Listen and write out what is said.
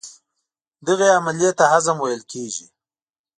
دغې عملیې ته هضم ویل کېږي.